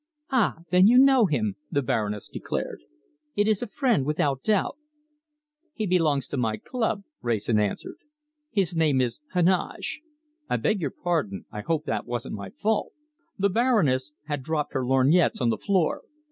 "Ah, then, you know him," the Baroness declared. "It is a friend, without doubt." "He belongs to my club," Wrayson answered. "His name is Heneage. I beg your pardon! I hope that wasn't my fault." The Baroness had dropped her lorgnettes on the floor.